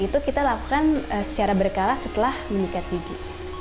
itu kita lakukan secara berkala setelah meningkat gigi